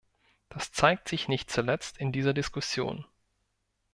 Das zeigt sich nicht zuletzt in dieser Diskussion.